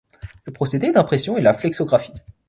Le procédé d'impression est la flexographie.